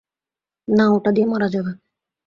না, ওটা দিয়ে মারা যাবে।